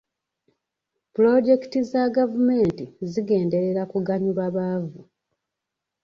Pulojekiti za gavumenti zigenderera kuganyulwa baavu.